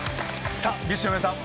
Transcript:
さあＢｉＳＨの皆さん